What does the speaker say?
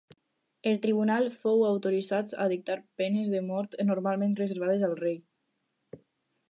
El tribunal fou autoritzat a dictar penes de mort normalment reservades al rei.